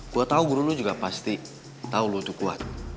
gue tau guru lo juga pasti tau lo tuh kuat